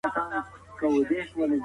کمپيوټر انلاين کورس ورکوي.